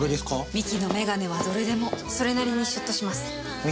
ミキのメガネはどれでもそれなりにシュッとします。